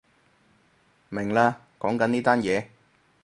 明喇，講緊呢單嘢